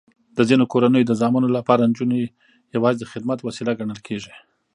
د ځینو کورنیو د زامنو لپاره نجونې یواځې د خدمت وسیله ګڼل کېږي.